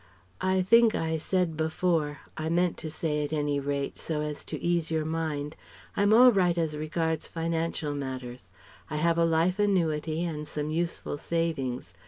"I think I said before I meant to say, at any rate, so as to ease your mind: I'm all right as regards financial matters. I have a life annuity and some useful savings.